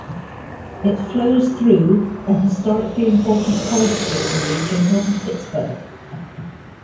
It flows through a historically important coal-producing region north of Pittsburgh.